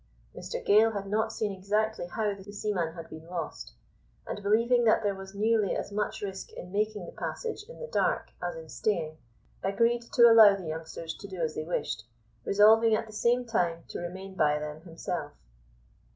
Mr Gale had not seen exactly how the seaman had been lost; and believing that there was nearly as much risk in making the passage in the dark as in staying, agreed to allow the youngsters to do as they wished, resolving at the same time to remain by them himself.